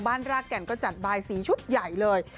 รากแก่นก็จัดบายสีชุดใหญ่เลย